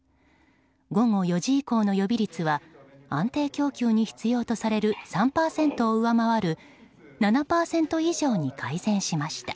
午後４時以降の予備率は安定供給に必要とされる３％を上回る７％以上に改善しました。